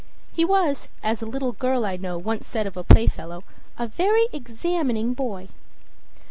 He was, as a little girl I know once said of a playfellow, "a very examining boy."